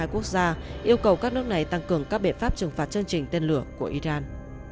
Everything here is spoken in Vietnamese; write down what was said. ba mươi hai quốc gia yêu cầu các nước này tăng cường các biện pháp trừng phạt chương trình tên lửa của iran